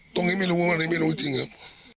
ตรงนี้ไม่รู้ตรงนี้ไม่รู้จริง